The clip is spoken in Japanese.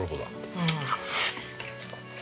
うん。